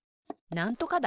なんとか団？